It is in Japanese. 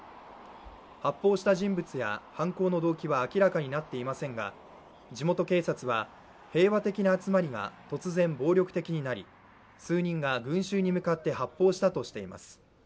発砲した人物や犯行の動機は明らかになっていませんが、地元警察は平和的な集まりが突然暴力的になり数人が群衆に向かって発砲したとしています。